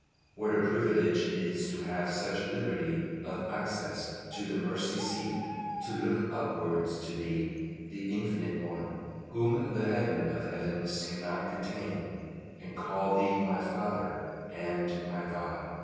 What a privilege it is to have such liberty of access to the Mercy seat to look upwards to Thee, the Infinite One, whom the Heaven of Heavens cannot contain, and call Thee my Father and my God!